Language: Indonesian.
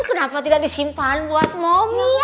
kenapa tidak disimpan buat mami ya tuh